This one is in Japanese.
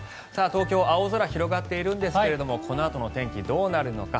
東京青空が広がっているんですがこのあとの天気、どうなるのか。